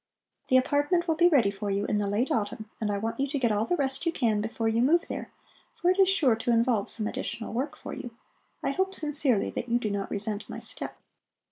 The apartment will be ready for you in the late autumn, and I want you to get all the rest you can before you move there, for it is sure to involve some additional work for you. I hope sincerely that you do not resent my step."